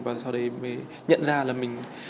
và sau đấy mới nhận ra là mình